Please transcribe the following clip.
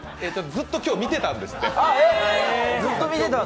ずっと今日見てたんですって。